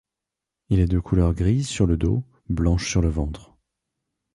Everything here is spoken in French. Il est de couleur grise sur le dos, blanche sur le ventre.